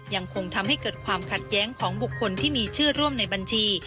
ยังคงทำให้เกิดความขัดแย้งของบุคคลที่มีชื่อร่วมในบัญชี